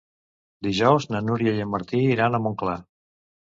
Dijous na Núria i en Martí iran a Montclar.